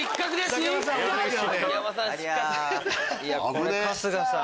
これ春日さん